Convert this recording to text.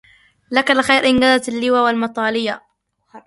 لك الخير إن جزت اللوى والمطاليا